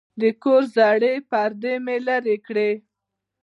د کور زړې پردې مې لرې کړې.